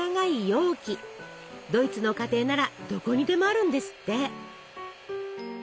ドイツの家庭ならどこにでもあるんですって。